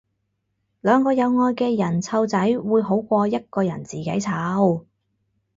兩個有愛嘅人湊仔會好過一個人自己湊